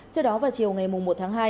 trước đó vào chiều ngày một tháng hai